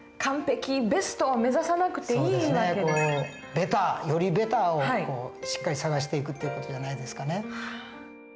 ベターよりベターをしっかり探していくっていう事じゃないですかね？